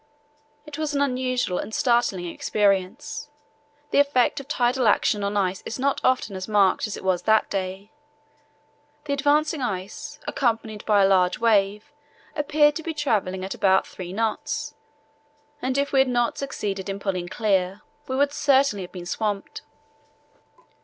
It was an unusual and startling experience. The effect of tidal action on ice is not often as marked as it was that day. The advancing ice, accompanied by a large wave, appeared to be travelling at about three knots; and if we had not succeeded in pulling clear we would certainly have been swamped.